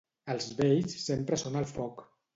Els vells sempre són al foc.